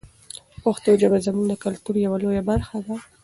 پښتو ژبه زموږ د کلتور یوه لویه برخه ده.